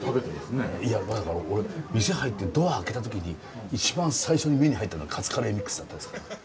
いや俺店入ってドア開けた時に一番最初に目に入ったのがカツカレーミックスだったんですよ。